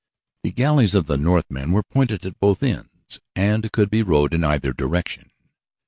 The galleys of the Northmen were pointed at both ends and could be rowed in either direction.